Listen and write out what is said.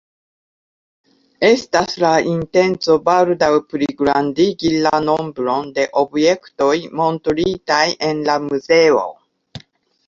Estas la intenco baldaŭ pligrandigi la nombron de objektoj montritaj en la muzeo.